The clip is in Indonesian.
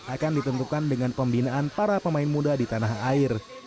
akan ditentukan dengan pembinaan para pemain muda di tanah air